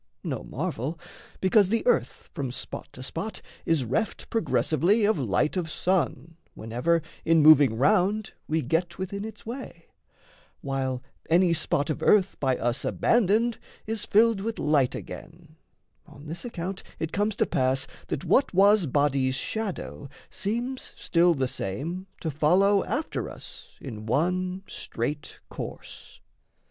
No marvel: Because the earth from spot to spot is reft Progressively of light of sun, whenever In moving round we get within its way, While any spot of earth by us abandoned Is filled with light again, on this account It comes to pass that what was body's shadow Seems still the same to follow after us In one straight course.